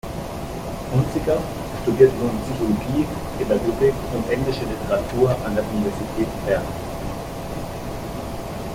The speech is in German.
Hunziker studierte nun Psychologie, Pädagogik und Englische Literatur an der Universität Bern.